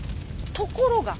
ところが。